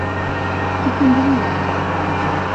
Qui conduïa el carruatge?